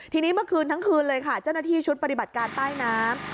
ทีนี้เมื่อคืนทั้งคืนเลยค่ะเจ้าหน้าที่ชุดปฏิบัติการใต้น้ำ